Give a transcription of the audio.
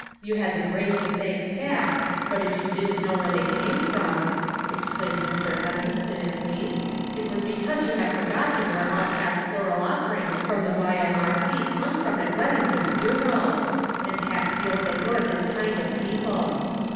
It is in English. You had the grace to thank Pat, but if you didn't know where they came from," explained Mr. Evans cynically, "it was because you have forgotten where all Pat's floral offerings from the Y.M.R.C. come from at weddings and funerals! And Pat feels that you're his kind of people.